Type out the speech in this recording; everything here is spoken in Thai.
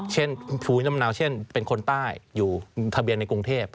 เช่นภูมิลำเนาเช่นเป็นคนใต้อยู่ทะเบียนในกรุงเทพ